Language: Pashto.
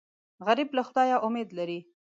غریب له خدایه امید لري